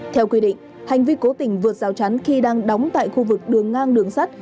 theo quy định hành vi cố tình vượt rào chắn khi đang đóng tại khu vực đường ngang đường sắt